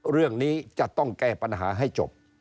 เรื่องนี้จะต้องแก้ปัญหาให้จบ